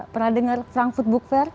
pernah dengar frankfurt book fair